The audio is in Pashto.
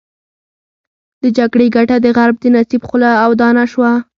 د جګړې ګټه د غرب د نصیب خوله او دانه شوه.